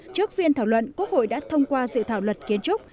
trước phiên thảo luận quốc hội đã thông qua dự thảo luật kiến trúc